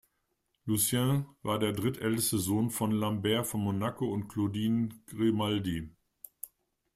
Lucien war der drittälteste Sohn von Lambert von Monaco und Claudine Grimaldi.